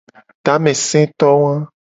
Tameseto wa.